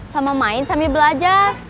sama main sambil belajar